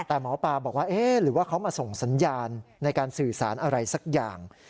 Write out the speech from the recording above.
แต่หมอปลาบอกว่าเอ๊ะหรือว่าเขามาส่งสัญญาณในการสื่อสารอะไรสักอย่าง